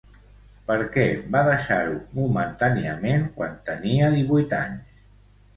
Per què va deixar-ho momentàniament quan tenia divuit anys?